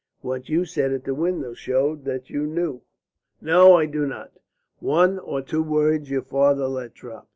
"What you said at the window showed that you knew." "No, I do not. One or two words your father let drop.